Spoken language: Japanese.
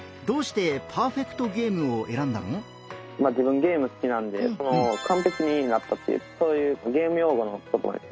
自分ゲーム好きなんでかんぺきになったっていうそういうゲーム用語の言葉です。